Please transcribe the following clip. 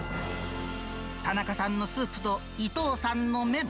田中さんのスープと伊藤さんの麺。